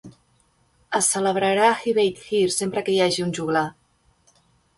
Es celebrarà Hyveidd Hir sempre que hi hagi un joglar.